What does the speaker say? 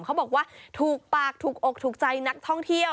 เขาบอกว่าถูกปากถูกอกถูกใจนักท่องเที่ยว